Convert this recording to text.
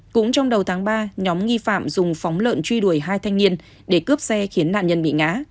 cũng trong đầu tháng ba nhóm nghi phạm dùng phóng lợn truy đuổi hai thanh niên để cướp xe khiến nạn nhân bị ngã